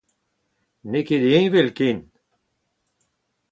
N'eo ket heñvel ken.